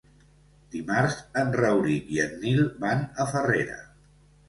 Dimarts en Rauric i en Nil van a Farrera.